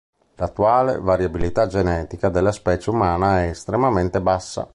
L'attuale variabilità genetica della specie umana è estremamente bassa.